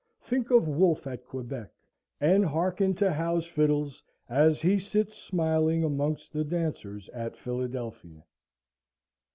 Think of Wolfe at Quebec, and hearken to Howe's fiddles as he sits smiling amongst the dancers at Philadelphia!